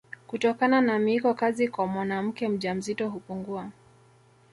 Kutokana na miiko kazi kwa mwanamke mjamzito hupungua